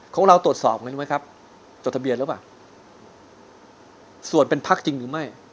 ของเราตรวจสอบไงรู้ไหมครับจดทะเบียนหรือเปล่าส่วนเป็นพักจริงหรือไม่